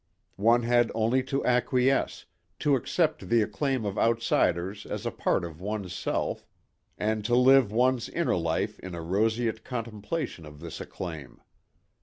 One had only to acquiesce, to accept the acclaim of outsiders as a part of one's self and to live one's inner life in a roseate contemplation of this acclaim.